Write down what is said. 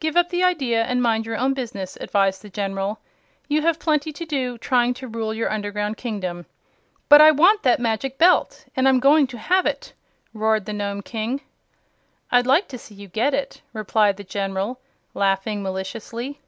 "Give up the idea and mind your own business," advised the General. "You have plenty to do trying to rule your underground kingdom." "But I want the Magic Belt and I'm going to have it!" roared the Nome King. "I'd like to see you get it," replied the General, laughing maliciously.